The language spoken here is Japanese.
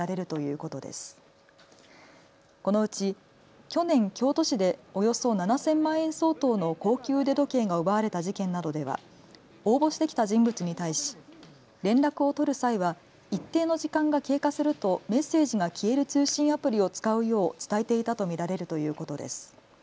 このうち去年、京都市でおよそ７０００万円相当の高級腕時計が奪われた事件などでは応募してきた人物に対し連絡を取る際は一定の時間が経過するとメッセージが消える通信アプリを使うよう伝えていたと見られるということです。